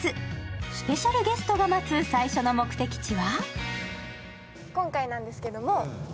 スペシャルゲストが待つ、最初の目的地は？